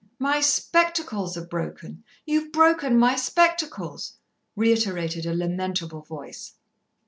"My spectacles are broken. You've broken my spectacles," reiterated a lamentable voice.